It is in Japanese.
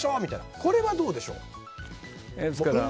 これはどうでしょう。